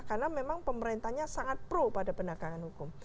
karena memang pemerintahnya sangat pro pada pendekatan hukum